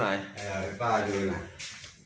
ให้ป้าดูหน่อย